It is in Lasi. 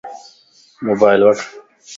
موبائل وٺ